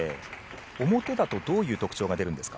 表だとどういう特徴が出るんですか？